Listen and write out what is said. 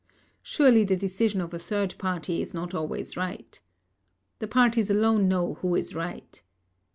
Surely, the decision of a third party is not always right. The parties alone know who is right.